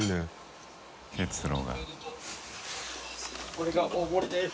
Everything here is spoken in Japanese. これが大盛りです